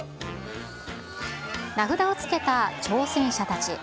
名札をつけた挑戦者たち。